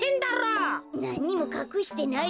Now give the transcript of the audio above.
なんにもかくしてないよ。